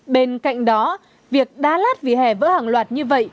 bên cạnh đó việc đá lát vì hè vỡ hàng loạt như vậy